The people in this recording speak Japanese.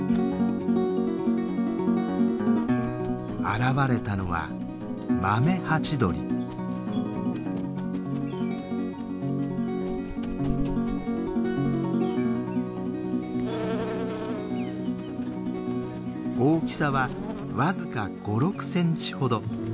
現れたのは大きさは僅か５６センチほど。